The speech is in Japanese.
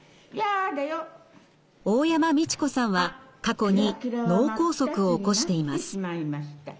大山実知子さんは過去に脳梗塞を起こしています。